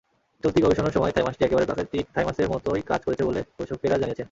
চলতি গবেষণার সময় থাইমাসটি একেবারে প্রাকৃতিক থাইমাসের মতোই কাজ করেছে বলে গবেষকেরা জানিয়েছেন।